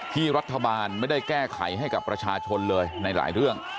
ที่รัฐบาลไม่ได้แก้ไขให้กับประชาชนเลยในหลายเรื่อง